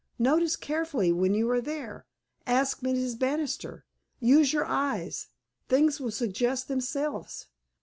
Notice carefully when you are there; ask Mrs. Banister; use your eyes. Things will suggest themselves.